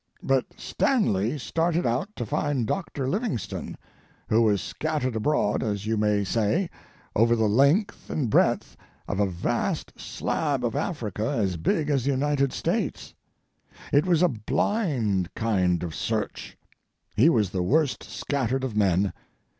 But Stanley started out to find Doctor Livingstone, who was scattered abroad, as you may say, over the length and breadth of a vast slab of Africa as big as the United States. It was a blind kind of search. He was the worst scattered of men.